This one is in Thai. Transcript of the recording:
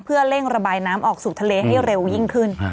เพื่อเร่งระบายน้ำออกสู่ทะเลให้เร็วยิ่งขึ้น